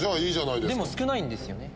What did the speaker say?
でも少ないんですよね？